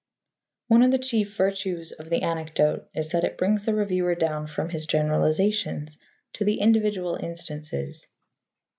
One of the chief virtues of the anecdote is that it brings the reviewer down from his generalizations to the individual instances.